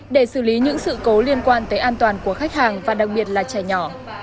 để xử lý những sự cố liên quan tới an toàn của khách hàng và đặc biệt là trẻ nhỏ